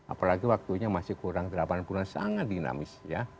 apalagi waktunya masih kurang delapan bulan sangat dinamis ya